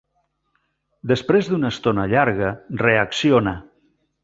Després d'una estona llarga, reacciona.